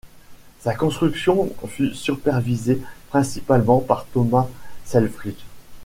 Sa construction fut supervisée principalement par Thomas Selfridge.